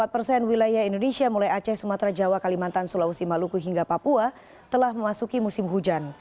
empat persen wilayah indonesia mulai aceh sumatera jawa kalimantan sulawesi maluku hingga papua telah memasuki musim hujan